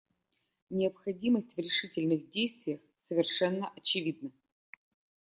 Необходимость в решительных действиях совершенно очевидна.